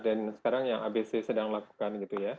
dan sekarang yang abc sedang lakukan